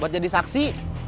buat jadi saksi